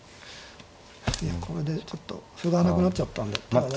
いやこれでちょっと歩がなくなっちゃったんで。